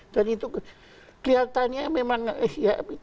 dan itu kelihatannya memang diciptakan itu hantu untuk menikmati